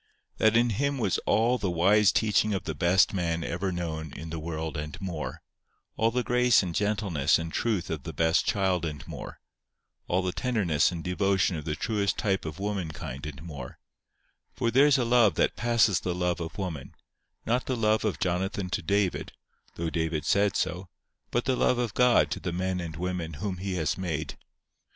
That in Him was all the wise teaching of the best man ever known in the world and more; all the grace and gentleness and truth of the best child and more; all the tenderness and devotion of the truest type of womankind and more; for there is a love that passeth the love of woman, not the love of Jonathan to David, though David said so: but the love of God to the men and women whom He has made.